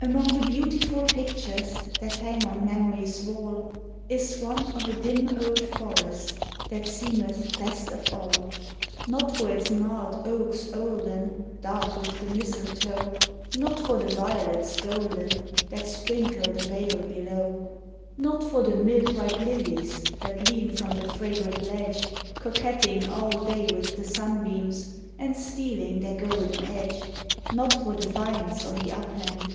A.\io\<; the beautiful pictures That hang on Memory's wall Is one of a dim old forest. That seemeth best of all ; Not for its gnarled oaks olden. Dark with the mistletoe; Not for the violets golden That sprinkle the vale below; Digitized by Google AHOUT C HI LORES. 77 Not for the milk white lilies That lean from the fragrant ledge. Coquetting all (lav with the sunbeams, And stealing their golden edge; Not for the vines on the upland.